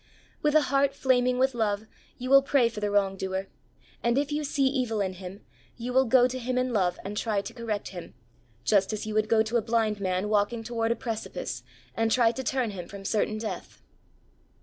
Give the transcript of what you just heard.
With a heart flaming with love, you will pray for the wrong doer, and if you see evil in him, you will go to him in love and try to correct him, just as you would go to a blind man walking toward a precipice, and try to turn him from certain death.